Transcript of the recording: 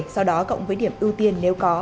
sau đó cộng với điểm ưu tiên nếu có